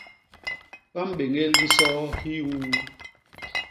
Ba mbéñél disoo hiuu.